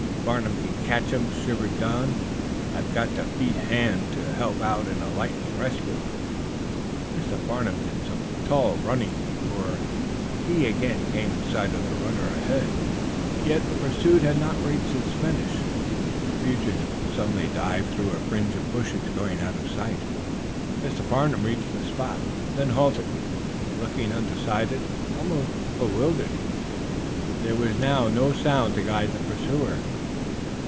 "If Farnum can catch him," shivered Do; "I've got to be at hand to help out in a lightning rescue." Mr. Farnum did some tall running before he again came in sight of the runner ahead. Yet the pursuit had not reached its finish. The fugitive suddenly dived through a fringe of bushes, going out of sight. Mr. Farnum reached the spot, then halted, looking undecided, almost bewildered. There was now no sound to guide the pursuer.